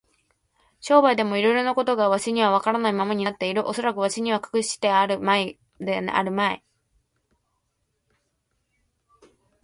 商売でもいろいろなことがわしにはわからないままになっている。おそらくわしに隠してあるのではあるまい。